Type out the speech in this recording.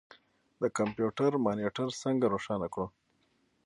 د کمپیوټر مانیټر څنګه روښانه کړو.